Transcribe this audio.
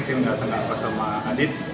dia merasa gak pas sama adit